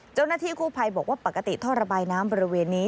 เจ้าหน้าที่กู้ภัยบอกว่าปกติท่อระบายน้ำบริเวณนี้